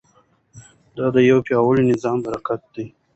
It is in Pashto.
دا د یو پیاوړي نظام برکت دی.